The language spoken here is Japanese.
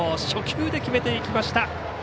初球で決めていきました。